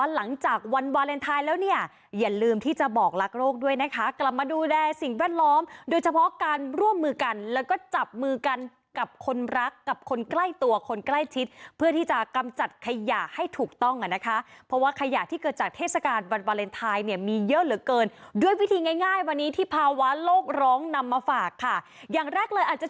หลังจากวันวาเลนไทยแล้วเนี่ยอย่าลืมที่จะบอกรักโลกด้วยนะคะกลับมาดูแลสิ่งแวดล้อมโดยเฉพาะการร่วมมือกันแล้วก็จับมือกันกับคนรักกับคนใกล้ตัวคนใกล้ชิดเพื่อที่จะกำจัดขยะให้ถูกต้องอ่ะนะคะเพราะว่าขยะที่เกิดจากเทศกาลวันวาเลนไทยเนี่ยมีเยอะเหลือเกินด้วยวิธีง่ายวันนี้ที่ภาวะโลกร้องนำมาฝากค่ะอย่างแรกเลยอาจจะ